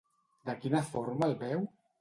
De quina forma el veu?